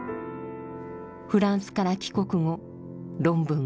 フランスから帰国後論文